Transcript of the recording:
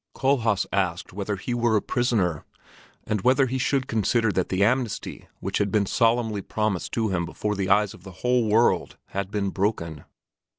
Kohlhaas asked whether he were a prisoner, and whether he should consider that the amnesty which had been solemnly promised to him before the eyes of the whole world had been broken.